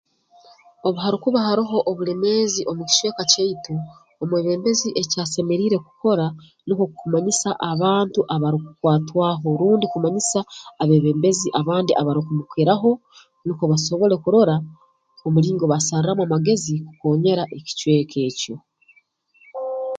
Obu harukuba haroho obulemeezi omu kicweka kyaitu omwebembezi eki asemeriire kukora nukwo kumanyisa abantu abarukukwatwaho rundi kumanyisa abeebembezi abandi abarukumukiraho nukwo basobole kurora omulingo basarraamu amagezi kukonyera ekicweka ekyo